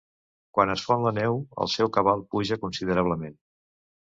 Quan es fon la neu el seu cabal puja considerablement.